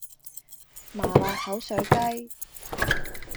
麻辣口水雞